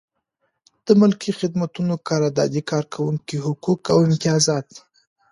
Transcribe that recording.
د ملکي خدمتونو قراردادي کارکوونکي حقوق او امتیازات.